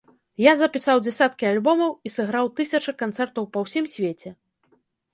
Я запісаў дзясяткі альбомаў і сыграў тысячы канцэртаў па ўсім свеце.